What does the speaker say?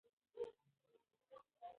فېلېپین هم خوندي سیمې لري.